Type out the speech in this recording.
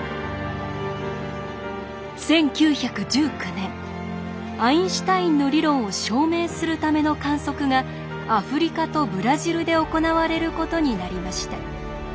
１９１９年アインシュタインの理論を証明するための観測がアフリカとブラジルで行われることになりました。